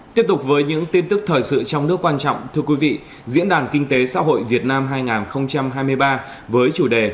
tiếp tục với những tin tức thời sự trong nước quan trọng thưa quý vị diễn đàn kinh tế xã hội việt nam hai nghìn hai mươi ba với chủ đề